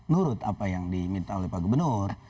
kita harus menurut apa yang diminta oleh pak gubernur